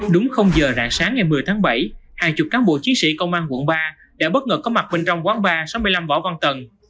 đúng giờ rạng sáng ngày một mươi tháng bảy hàng chục cán bộ chiến sĩ công an quận ba đã bất ngờ có mặt bên trong quán ba sáu mươi năm võ văn tần